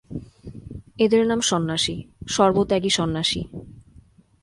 এদের নাম সন্ন্যাসী, সর্বত্যাগী সন্ন্যাসী।